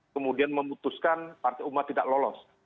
kemudian memutuskan partai umat tidak lolos